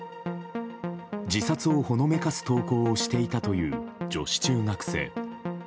自殺をほのめかす投稿をしていたという女子中学生。